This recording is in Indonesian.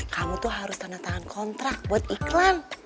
kamu tuh harus tanda tangan kontrak buat iklan